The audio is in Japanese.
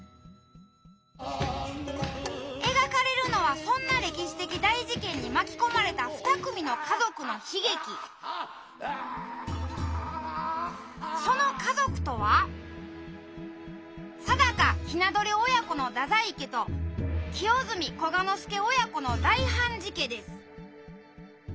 描かれるのはそんな歴史的大事件に巻き込まれたその家族とは定高雛鳥親子の太宰家と清澄久我之助親子の大判事家です。